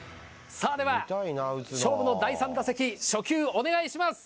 では勝負の第３打席初球お願いします。